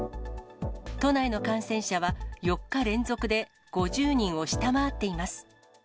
都内の感染者は４日連続で５０人を下回っています。